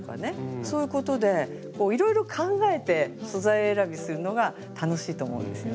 そういうことでいろいろ考えて素材選びするのが楽しいと思うんですよね。